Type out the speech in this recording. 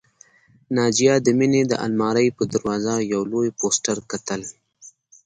ناجیه د مينې د آلمارۍ پر دروازه یو لوی پوسټر کتل